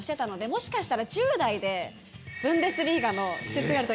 もしかしたら１０代でブンデスリーガのシュツットガルト